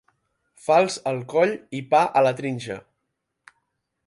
Falç al coll i pa a la trinxa.